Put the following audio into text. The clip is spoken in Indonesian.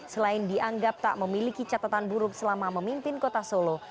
selain dianggap tak memiliki catatan buruk selama memimpin kota solo